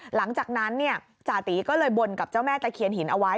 หลังจากนั้นจาตีก็เลยบนกับเจ้าแม่ตะเคียนหินเอาไว้